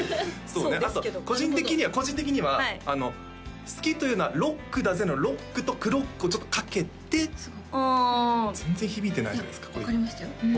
そうねあと個人的には「好きというのはロックだぜ！」の「ロック」と「クロック」をちょっとかけてあ全然響いてないじゃないですか分かりましたよ